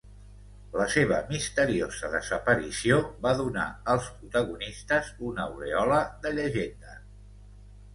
La seva misteriosa desaparició va donar als protagonistes una aurèola de llegenda.